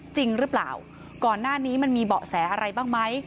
จริงหรือเปล่าก่อนหน้านี้มันมีเบาะแสอะไรบ้างไหม